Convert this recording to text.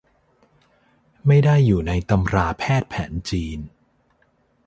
ไม่ได้อยู่ในตำราแพทย์แผนจีน